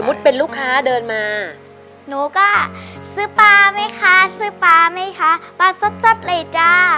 เป็นลูกค้าเดินมาหนูก็ซื้อปลาไหมคะซื้อปลาไหมคะปลาสดเลยจ้า